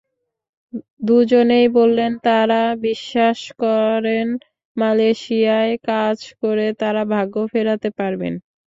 দুজনেই বললেন, তাঁরা বিশ্বাস করেন মালয়েশিয়ায় কাজ করে তাঁরা ভাগ্য ফেরাতে পারবেন।